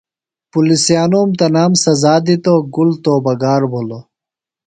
پُلِسیانوم تنام سزا دِتوۡ۔ گُل توبہ گار بِھلوۡ۔